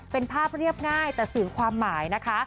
เป็นภาพเรียบง่ายแต่สื่อความหมายนะคะ